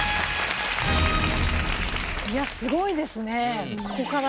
いやすごいですね。